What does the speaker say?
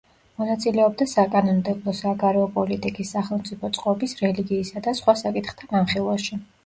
მონაწილეობდა საკანონმდებლო, საგარეო პოლიტიკის, სახელმწიფო წყობის, რელიგიისა და სხვა საკითხთა განხილვაში.